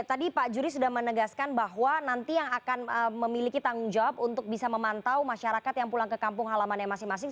tadi pak juri sudah menegaskan bahwa nanti yang akan memiliki tanggung jawab untuk bisa memantau masyarakat yang pulang ke kampung halaman yang masing masing